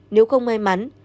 nếu không may mắn